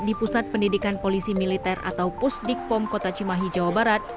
di pusat pendidikan polisi militer atau pusdik pom kota cimahi jawa barat